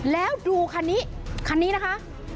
แล้วดูคันนี้คันนี้นะคะ